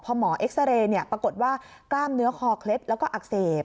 พอหมอเอ็กซาเรย์ปรากฏว่ากล้ามเนื้อคอเคล็ดแล้วก็อักเสบ